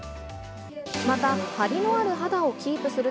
また、張りのある肌をキープする。